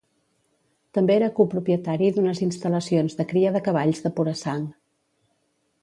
També era copropietari d'unes instal·lacions de cria de cavalls de pura sang.